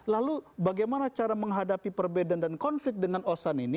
lalu bagaimana cara menghadapi perbedaan dan konflik dengan osan ini